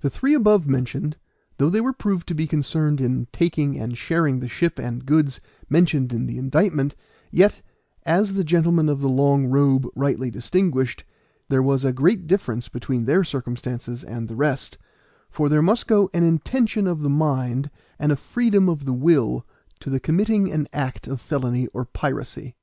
The three above mentioned, though they were proved to be concerned in taking and sharing the ship and goods mentioned in the indictment, yet, as the gentlemen of the long robe rightly distinguished, there was a great difference between their circumstances and the rest; for there must go an intention of the mind and a freedom of the will to the committing an act of felony or piracy.